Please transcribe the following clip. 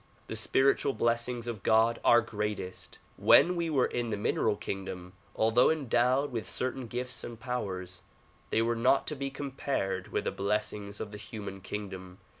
The spiritual blessings of God are greatest. "When we were in the mineral kingdom, although endowed with certain gifts and powers, they were not to be compared with the blessings of the human kingdom.